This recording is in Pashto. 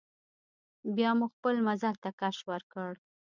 بیا مو خپل مزل ته کش ورکړ.